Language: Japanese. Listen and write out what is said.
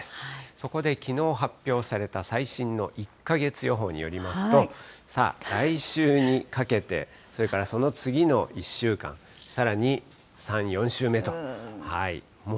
そこできのう発表された最新の１か月予報によりますと、来週にかけて、それからその次の１週間、さらに３、４週目と。